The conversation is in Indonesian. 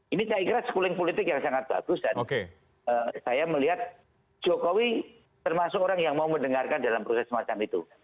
ini saya kira schooling politik yang sangat bagus dan saya melihat jokowi termasuk orang yang mau mendengarkan dalam proses semacam itu